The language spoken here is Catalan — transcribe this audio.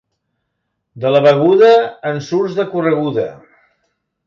De la Beguda en surts de correguda.